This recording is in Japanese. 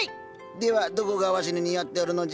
ではどこがわしに似合っておるのじゃ？